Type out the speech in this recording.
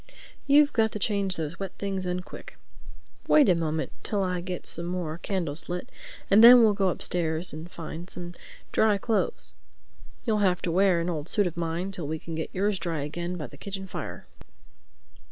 You've got to change those wet things—and quick. Wait a moment till I get some more candles lit, and then we'll go upstairs and find some dry clothes. You'll have to wear an old suit of mine till we can get yours dry again by the kitchen fire."